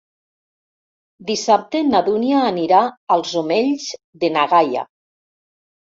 Dissabte na Dúnia anirà als Omells de na Gaia.